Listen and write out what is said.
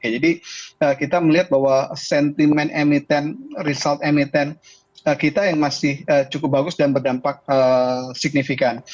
jadi kita melihat bahwa sentimen emiten result emiten kita yang masih cukup bagus dan berdampak signifikan